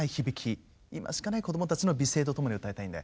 今しかないこどもたちの美声とともに歌いたいんで。